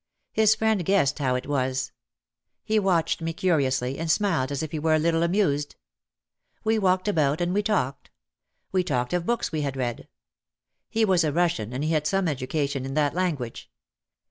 His friend guessed how it was. He watched me curiously, and smiled as if he were a little amused. We walked about and we talked. We talked of books we had read. He was a Russian and he had some education in that lan guage.